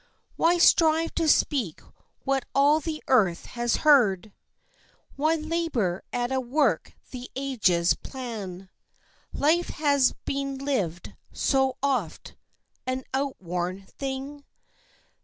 Why strive to speak what all the earth has heard? Why labor at a work the ages plan? Life has been lived so oft an outworn thing!